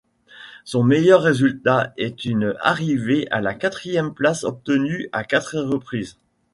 Son meilleur résultat est une arrivée à la quatrième place obtenue à quatre reprises.